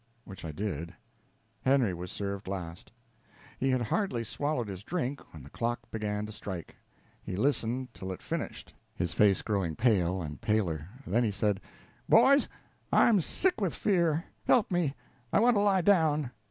Which I did. Henry was served last. He had hardly swallowed his drink when the clock began to strike. He listened till it finished, his face growing pale and paler; then he said: "Boys, I'm sick with fear. Help me I want to lie down!"